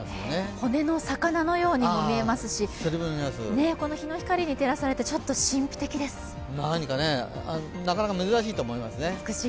骨の魚のようにも見えますし日の光に照らされてなかなか珍しいと思います。